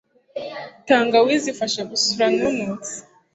Tangawizi Ifasha gusura nunutse